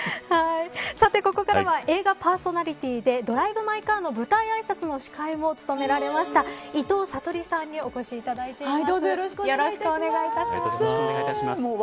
さて、ここからは映画パーソナリティーでドライブ・マイ・カーの舞台あいさつの司会も務められました伊藤さとりさんにお越しいただいてます。